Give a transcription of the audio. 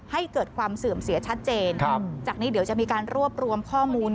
ให้เกิดความเสื่อมเสียชัดเจนครับจากนี้เดี๋ยวจะมีการรวบรวมข้อมูล